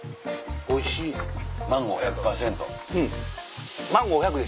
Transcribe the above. おいしいマンゴー１００％？